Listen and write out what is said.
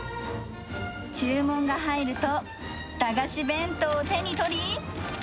注文が入ると、駄菓子弁当を手に取り。